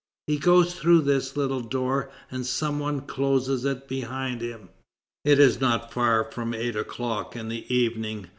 He goes through this little door, and some one closes it behind him. It is not far from eight o'clock in the evening.